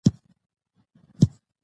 افغانستان د ولایتونو په برخه کې کار کوي.